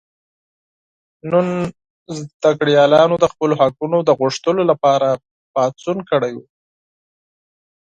نن زده کړیالانو د خپلو حقونو د غوښتلو لپاره پاڅون کړی و.